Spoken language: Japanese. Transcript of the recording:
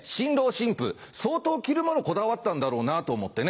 新婦相当着るものこだわったんだろうなと思ってね。